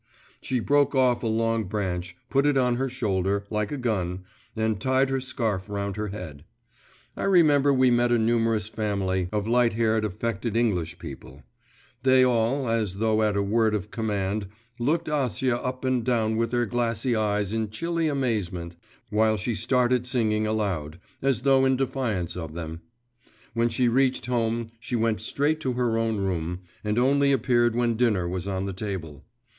She broke off a long branch, put it on her shoulder, like a gun, and tied her scarf round her head. I remember we met a numerous family of light haired affected English people; they all, as though at a word of command, looked Acia up and down with their glassy eyes in chilly amazement, while she started singing aloud, as though in defiance of them. When she reached home, she went straight to her own room, and only appeared when dinner was on the table.